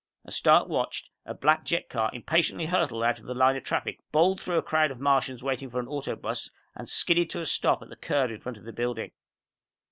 As Stark watched, a black jet car impatiently hurtled out of the line of traffic, bowled through a crowd of Martians waiting for an auto bus, and skidded to a stop at the curb in front of the building.